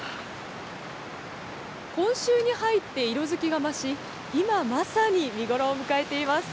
今週に入って色づきが増し、今まさに見頃を迎えています。